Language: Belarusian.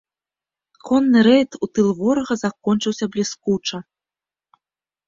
Конны рэйд у тыл ворага закончыўся бліскуча.